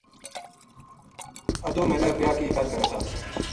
ادو میرا بیاہ کی گَل کرے تھا